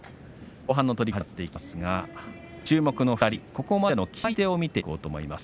後半の取組が始まっていきますが注目の２人ここまでの決まり手を見ていこうと思います。